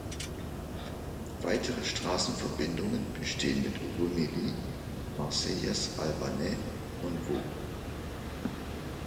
Weitere Straßenverbindungen bestehen mit Rumilly, Marcellaz-Albanais und Vaulx.